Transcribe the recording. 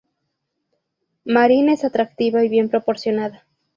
Marin es atractiva y bien proporcionada.